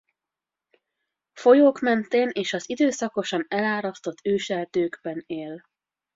Folyók mentén és az időszakosan elárasztott őserdőkben él.